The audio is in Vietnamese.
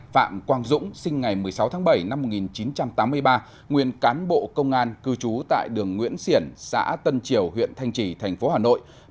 ba phạm quang dũng sinh ngày một mươi sáu tháng bảy năm một nghìn chín trăm tám mươi ba nguyên cán bộ công an cư trú tại đường nguyễn xiển xã tân triều huyện thanh trì tp hà nội